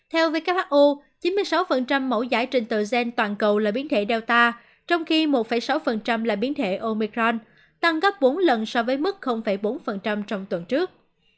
theo who chín mươi sáu mẫu giải trình tự gen toàn cầu là biến thể data trong khi một sáu là biến thể omicron tăng gấp bốn lần so với mức bốn trong tuần trước